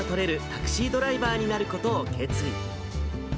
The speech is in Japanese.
タクシードライバーになることを決意。